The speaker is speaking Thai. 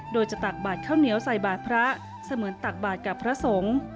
โดยจะตักบาดข้าวเหนียวใส่บาทพระเสมือนตักบาทกับพระสงฆ์